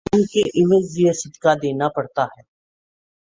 کام کے عوض یہ صدقہ دینا پڑتا ہے۔